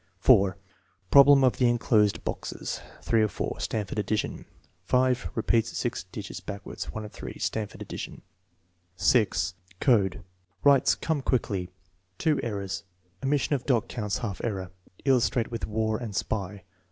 4. Problem of the enclosed boxes. (3 of 4.) (Stanford addition.) 5. Repeats G digits backwards. (1 of 3.) (Stanford addition.) 0. Code, writes "Come quickly." (2 errors. Omission of dot counts half error. Illustrate with "war" and spy.")